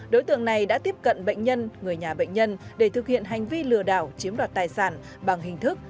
đối tượng này đã tiếp cận bệnh nhân người nhà bệnh nhân để thực hiện hành vi lừa đảo chiếm đoạt tài sản bằng hình thức